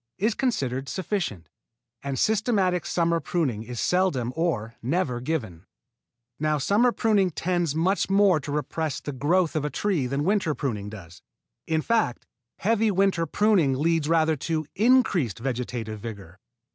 is considered sufficient, and systematic summer pruning is seldom or never given. Now summer pruning tends much more to repress the growth of a tree than winter pruning does. In fact, heavy winter pruning leads rather to increased vegetative vigor.